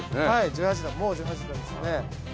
はい１８弾もう１８弾ですね。